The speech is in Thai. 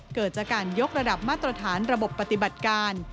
เกิดจากการยกระดับมาตรฐานระบบปฏิบัติการ